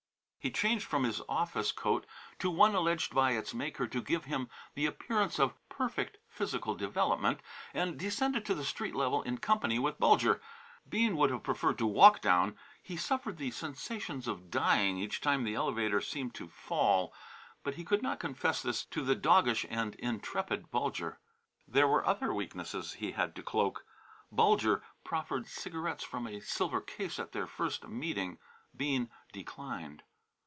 He changed from his office coat to one alleged by its maker to give him the appearance of perfect physical development, and descended to the street level in company with Bulger. Bean would have preferred to walk down; he suffered the sensations of dying each time the elevator seemed to fall, but he could not confess this to the doggish and intrepid Bulger. There were other weaknesses he had to cloak. Bulger proffered cigarettes from a silver case at their first meeting. Bean declined.